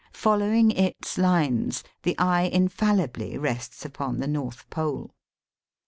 Following its lines the eye in fallibly rests upon the north pole.